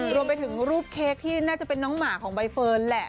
รวมไปถึงรูปเค้กที่น่าจะเป็นน้องหมาของใบเฟิร์นแหละ